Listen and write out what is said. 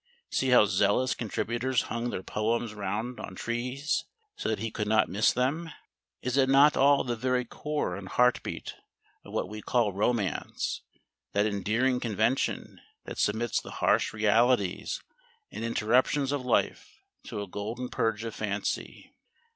See how zealous contributors hung their poems round on trees so that he could not miss them. Is it not all the very core and heartbeat of what we call "romance," that endearing convention that submits the harsh realities and interruptions of life to a golden purge of fancy?